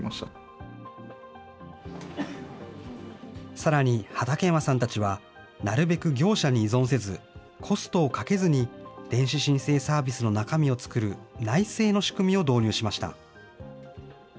さらに、畠山さんたちは、なるべく業者に依存せず、コストをかけずに電子申請サービスの中身を作る、内製の仕組みを導入しました。